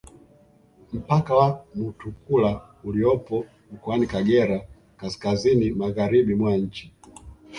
Mpaka wa Mutukula uliopo mkoani Kagera kaskazini magharibi mwa nchi